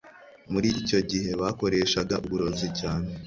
Muri icyo gihe bakoreshaga uburozi cyane.